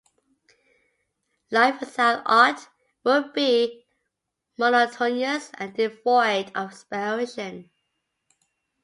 Life without art would be monotonous and devoid of inspiration.